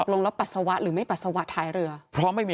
ลงแล้วปัสสาวะหรือไม่ปัสสาวะท้ายเรือเพราะไม่มี